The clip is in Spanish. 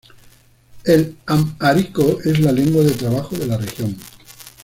El amhárico es la lengua de trabajo de la región.